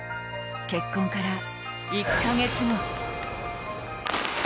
結婚から１カ月後